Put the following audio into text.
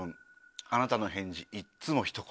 あなたの返事いっつもひと言。